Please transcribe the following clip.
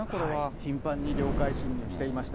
頻繁に領海侵入をしていました。